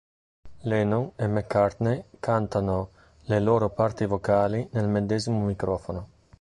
Lennon e McCartney cantano le loro parti vocali nel medesimo microfono.